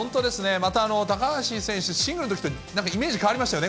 また高橋選手、シングルのときとイメージ変わりましたよね。